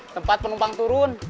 tempat penumpang turun